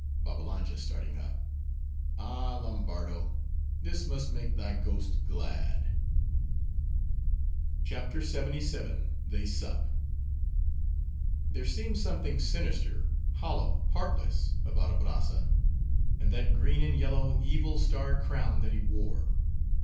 BABBALANJA (starting up)—Ah, Lombardo! this must make thy ghost glad! CHAPTER LXXVII. They Sup There seemed something sinister, hollow, heartless, about Abrazza, and that green and yellow, evil starred crown that he wore.